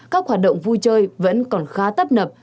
các hoạt động vui chơi vẫn còn khá tấp nập